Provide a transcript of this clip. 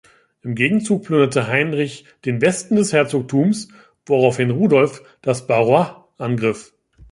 Im Gegenzug plünderte Heinrich den Westen des Herzogtums, woraufhin Rudolf das Barrois angriff.